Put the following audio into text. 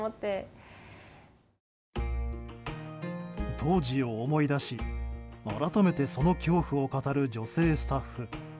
当時を思い出し、改めてその恐怖を語る女性スタッフ。